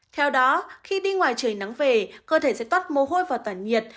theo đó khi đi ngoài trời nắng về cơ thể sẽ toát mồ hôi vào tỏa nhiệt